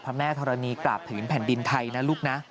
เพราะแม่ธรณีย์กราบถึงแผ่นดินไทยนะลูกนะ